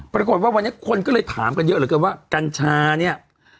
ปรากฏว่าวันนี้คนก็เลยถามกันเยอะเหลือเกินว่ากัญชาเนี่ย